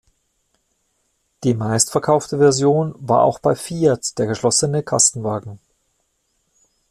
Die meistverkaufte Version war auch bei Fiat der geschlossene Kastenwagen.